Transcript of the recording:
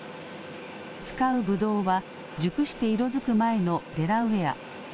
使うぶどうは熟して色づく前のデラウエア。